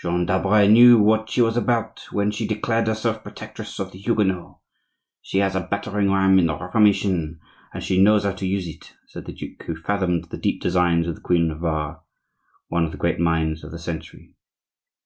"Jeanne d'Albret knew what she was about when she declared herself protectress of the Huguenots! She has a battering ram in the Reformation, and she knows how to use it," said the duke, who fathomed the deep designs of the Queen of Navarre, one of the great minds of the century.